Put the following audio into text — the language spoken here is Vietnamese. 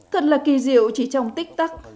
thật là kỳ diệu chỉ trong tích tắc